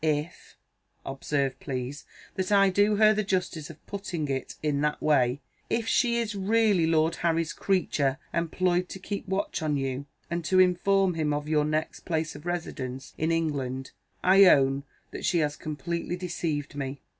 If observe, please, that I do her the justice of putting it in that way if she is really Lord Harry's creature, employed to keep watch on you, and to inform him of your next place of residence in England, I own that she has completely deceived me.